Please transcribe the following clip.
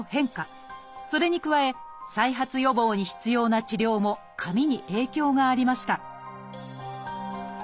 それに加え再発予防に必要な治療も髪に影響がありました